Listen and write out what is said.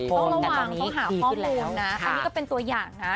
ต้องระวังเขาหาพอมูลนะ